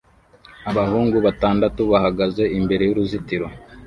Abahungu batandatu bahagaze imbere y'uruzitiro